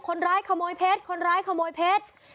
คนร้ายขโมยเพชรคนร้ายขโมยเพชร